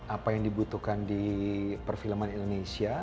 apa yang dibutuhkan di perfilman indonesia